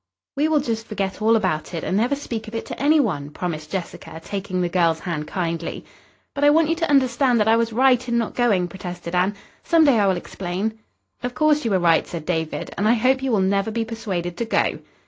"We will just forget all about it, and never speak of it to anyone," promised Jessica, taking the girl's hand kindly. "But I want you to understand that I was right in not going," protested Anne. "Some day I will explain." "Of course you were right," said David, "and I hope you will never be persuaded to go."